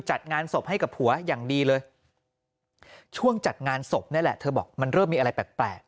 จัดงานศพให้กับผัวอย่างดีเลยช่วงจัดงานศพนี่แหละเธอบอกมันเริ่มมีอะไรแปลก